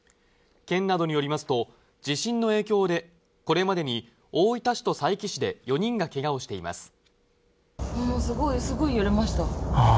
県などによりますと地震の影響でこれまでに大分市と佐伯市で４人がけがをしています。